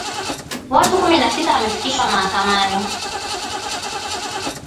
Watu kumi na sita wamefikishwa mahakamani